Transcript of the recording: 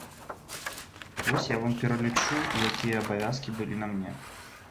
Вось я вам пералічу, якія абавязкі былі на мне.